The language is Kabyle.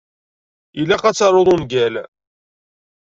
Ilaq ad taruḍ ungal.